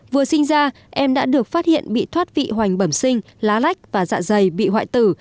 vừa sinh ra em đã được phát hiện bị thoát vị hoành bẩm sinh lá lách và dạ dày bị hoại tử